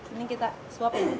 ini kita suap ya